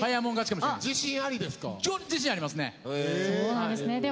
そうなんですね。